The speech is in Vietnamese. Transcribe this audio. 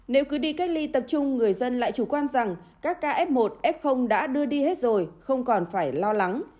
nếu cứ đi cách ly tập trung người dân lại chủ quan rằng các ca f một f đã đưa đi hết rồi không còn phải lo lắng